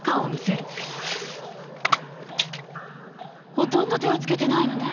ほとんど手をつけてないのね。